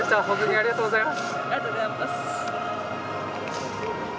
ありがとうございます。